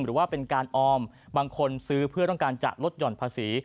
หรือว่าเป็นการออมบางคนซื้อเพื่อต้องการจะลดหย่อนภาษี